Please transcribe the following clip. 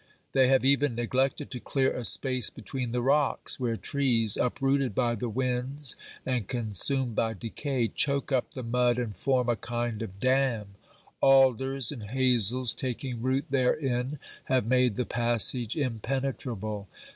They have even neglected to clear a space between the rocks, where trees, uprooted by the winds and consumed by decay, choke up the mud and form a kind of dam ; alders and hazels taking root therein have made the passage impenetrable.